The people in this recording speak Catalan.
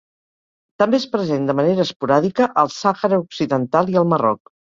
També és present de manera esporàdica al Sàhara Occidental i al Marroc.